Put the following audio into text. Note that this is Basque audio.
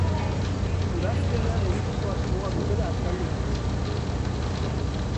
Udazkenean egiteko asmoa dutela azaldu digu.